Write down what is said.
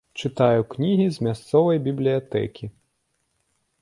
Чытаю кнігі з мясцовай бібліятэкі.